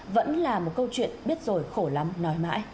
vẫn là một câu chuyện biết rồi khổ lắm nói mãi